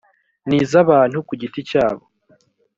n iz abantu ku giti cyabo